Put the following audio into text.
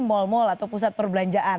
mal mal atau pusat perbelanjaan